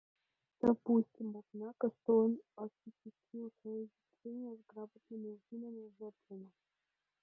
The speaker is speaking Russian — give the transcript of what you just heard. Допустим, однако, что он осуществил свое изобретение с громадными усилиями и жертвами.